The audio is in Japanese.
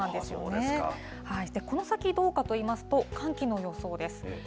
そしてこの先どうかといいますと、寒気の予想です。